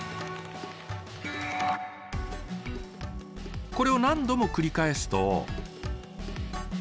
これを何度も繰り返すと。